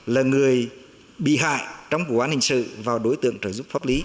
là người bị hại trong vụ án hình sự và đối tượng trợ giúp pháp lý